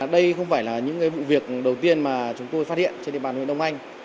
đây không phải là những vụ việc đầu tiên mà chúng tôi phát hiện trên địa bàn huyện đông anh